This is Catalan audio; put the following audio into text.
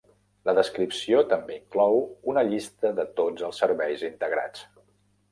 La descripció també inclou una llista de tots els serveis integrats.